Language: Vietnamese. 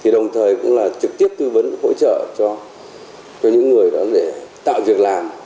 đồng thời cũng là trực tiếp tư vấn hỗ trợ cho những người đó để tạo việc làm